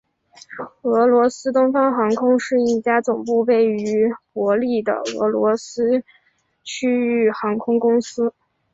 俄罗斯东方航空是一家总部位于伯力的俄罗斯区域航空公司。